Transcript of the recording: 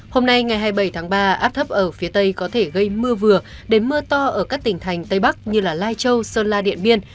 hôm nay ngày hai mươi bảy tháng ba áp thấp ở phía tây có thể gây mưa vừa đến mưa to ở các tỉnh thành tây bắc như lai châu sơn la điện biên